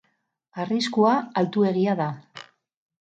Arriskua altuegia da.